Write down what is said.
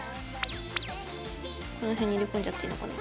この辺に入れ込んじゃっていいのかな？